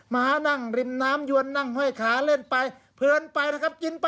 ม้านั่งริมน้ำยวนนั่งไห้ขาเล่นไปเพิ่มไปนะครับกินไป